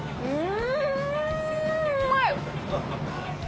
うん。